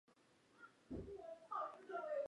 吊钩或起重机。